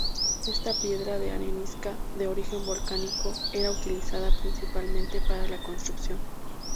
Esta piedra arenisca, de origen volcánico, era utilizada principalmente para la construcción.